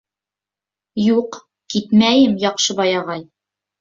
— Юҡ, китмәйем, Яҡшыбай ағай.